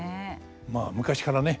まあ昔からね